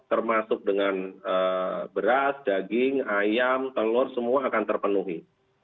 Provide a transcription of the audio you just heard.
termasuk dengan beras daging ayam telur semua akan terpenuhi